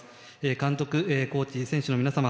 監督、コーチ、選手の皆さん